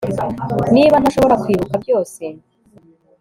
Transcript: niba ntashobora kwibuka byose